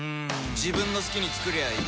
自分の好きに作りゃいい